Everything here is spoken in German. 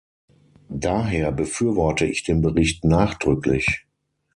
Daher befürworte ich den Bericht nachdrücklich.